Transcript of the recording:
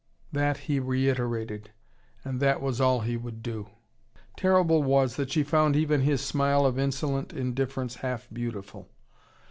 That he reiterated. And that was all he would do. Terrible was, that she found even his smile of insolent indifference half beautiful.